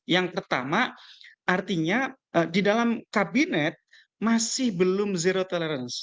yang pertama artinya di dalam kabinet masih belum zero tolerance